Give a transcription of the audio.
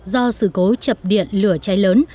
do sự cố chập điện lửa cháy lớn